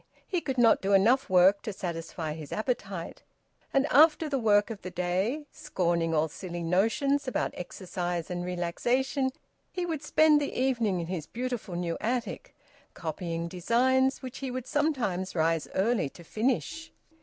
He could not do enough work to satisfy his appetite. And after the work of the day, scorning all silly notions about exercise and relaxation, he would spend the evening in his beautiful new attic, copying designs, which he would sometimes rise early to finish.